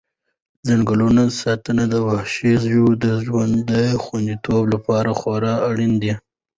د ځنګلونو ساتنه د وحشي ژویو د ژوند د خوندیتوب لپاره خورا اړینه ده.